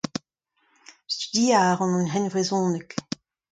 Studiañ a ran an henvrezhoneg.